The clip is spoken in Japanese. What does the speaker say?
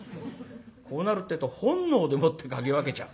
こうなるってえと本能でもって嗅ぎ分けちゃう。